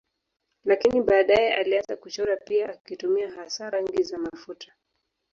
Lakini baadaye alianza kuchora pia akitumia hasa rangi za mafuta.